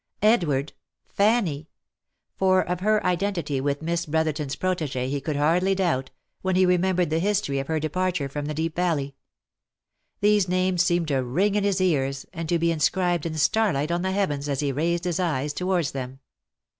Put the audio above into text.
Edward ! Fanny ! (for of her identity with Miss Brotherton's protegee he could hardly doubt, when he remembered the history of her departure from the Deep Valley) — these names seemed to ring in his ears, and to be inscribed in starlight on the heavens as he raised his eyes towards them.